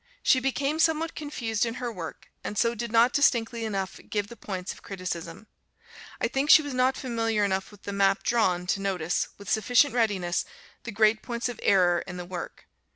She became somewhat confused in her work, and so did not distinctly enough give the points of criticism. I think she was not familiar enough with the map drawn to notice, with sufficient readiness, the great points of error in the work.